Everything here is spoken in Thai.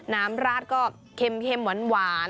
น้ำราดก็เค็มหวาน